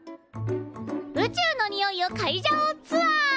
宇宙のにおいをかいじゃおうツアー！